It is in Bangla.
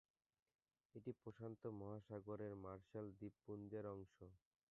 এটি প্রশান্ত মহাসাগরের মার্শাল দ্বীপপুঞ্জের অংশ।